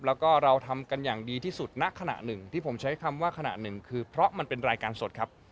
แล้วก็เราทำกันอย่างดีที่สุดณขณะหนึ่งที่ผมใช้คำว่าขณะหนึ่งคือเพราะมันเป็นรายการสดครับ